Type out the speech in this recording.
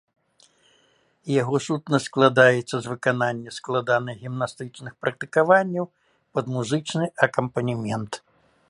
Яго сутнасць складаецца з выканання складаных гімнастычных практыкаванняў пад музычны акампанемент.